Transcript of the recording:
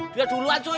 dia duluan cuy